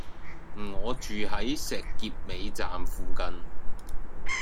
我住喺石硤尾站附近